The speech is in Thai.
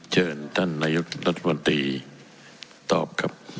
เชิญท่านนายกรัฐมนตรีตอบครับ